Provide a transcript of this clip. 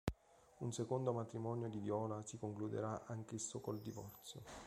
Un secondo matrimonio di Viola si concluderà anch'esso col divorzio.